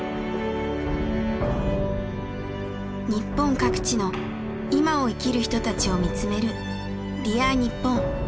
日本各地のいまを生きる人たちを見つめる「Ｄｅａｒにっぽん」。